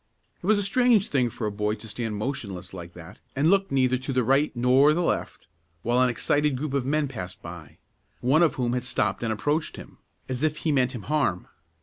It was a strange thing for a boy to stand motionless like that, and look neither to the right nor the left, while an excited group of men passed by, one of whom had stopped and approached him, as if he meant him harm.